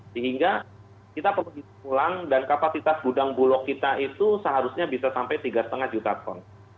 sehingga kita perlu ulang dan kapasitas gudang bulog kita itu seharusnya bisa sampai tiga lima juta ton